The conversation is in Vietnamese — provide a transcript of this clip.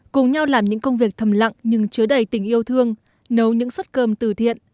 cùng nhau làm những công việc thầm lặng nhưng chứa đầy tình yêu thương nấu những suất cơm từ thiện